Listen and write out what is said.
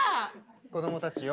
子どもたちよ。